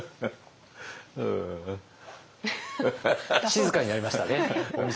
静かになりましたね。